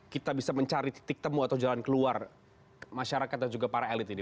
kita bisa mencari titik temu atau jalan keluar masyarakat dan juga para elit ini